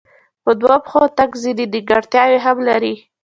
په دوو پښو تګ ځینې نیمګړتیاوې هم لري.